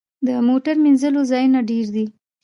د موټر مینځلو ځایونه ډیر دي؟